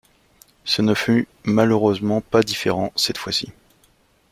Ce ne fut malheureusement pas différent cette fois-ci.